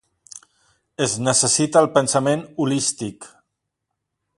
Es necessita el pensament holístic.